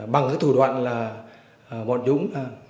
bằng cái thủ đoạn là bọn dũng